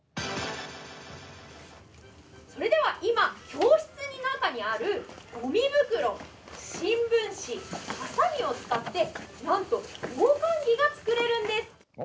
それでは今、教室の中にあるごみ袋、新聞紙、はさみを使ってなんと防寒着が作れるんです！